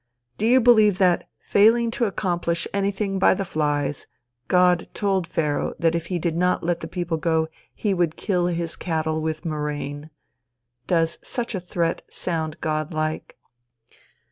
Do you believe that, failing to accomplish anything by the flies, God told Pharaoh that if he did not let the people go he would kill his cattle with murrain? Does such a threat sound God like?